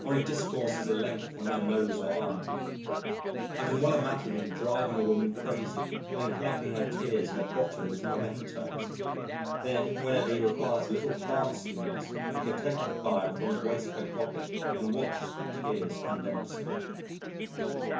Or he discourses at length on her nose or eye. I can well imagine him driving a woman crazy and then collecting her tears in a bottle as mementoes. Then whenever he requires a little heart stimulus he could take the phial from his waistcoat pocket and watch the tears condensing.